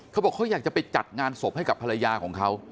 เขาบอกเขาอยากจะไปจัดงานศพให้กับภรรยาของเขา